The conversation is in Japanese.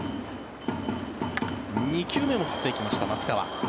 ２球目も振っていきました松川。